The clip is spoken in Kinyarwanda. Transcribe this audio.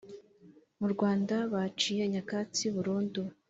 Mu Rwanda bacyiye nyakatsi burundu